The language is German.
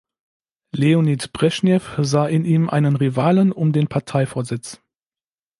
Leonid Breschnew sah in ihm einen Rivalen um den Parteivorsitz.